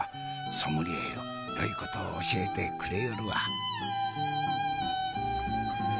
ソムリエよよいことを教えてくれよるわ。